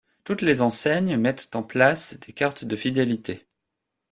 Toutes les enseignes mettent en place des cartes de fidélité.